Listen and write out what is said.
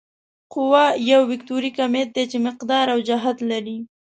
قوه یو وکتوري کمیت دی چې مقدار او جهت لري.